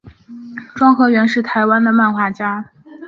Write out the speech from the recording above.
庄河源是台湾的漫画家。